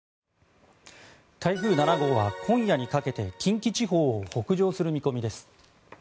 台風７号は今夜にかけて近畿地方を北上する見込みです。